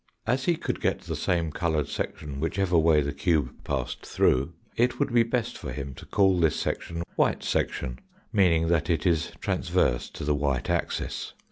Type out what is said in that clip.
As he could get the same coloured section whichever way the cube passed through, it would be best for him to call this section white section, meaning that it is transverse to the white axis.